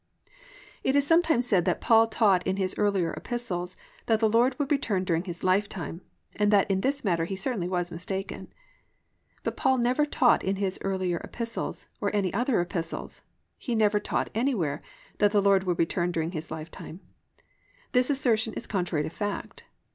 It is sometimes said that Paul taught in his earlier epistles that the Lord would return during his lifetime, and that in this matter he certainly was mistaken. But Paul never taught in his earlier epistles, or any other epistles, he never taught anywhere, that the Lord would return during his lifetime. This assertion is contrary to fact.